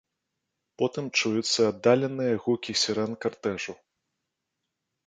Потым чуюцца аддаленыя гукі сірэн картэжу.